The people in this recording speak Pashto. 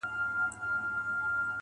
• په سپورږمۍ كي زمــــا پــيــــر دى.